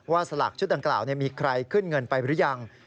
ว่าสลากชุดอังกราวนี้มีใครขึ้นเงินไปหรือยัง